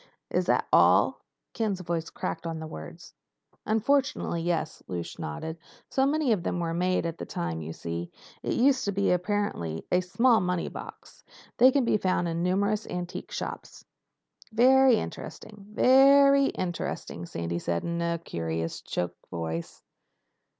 "Is that all?" Ken's voice cracked on the words. "Unfortunately yes." Lausch nodded. "So many of them were made at the time, you see, to be used—apparently—as small money boxes. They can be found in numerous antique shops." "Very interesting. Ve ry interesting," Sandy said in a curious choked voice.